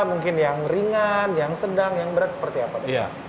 mungkin yang ringan yang sedang yang berat seperti apa dok